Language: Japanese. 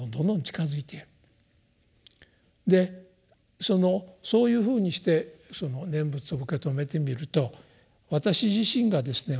でそのそういうふうにして念仏を受け止めてみると私自身がですね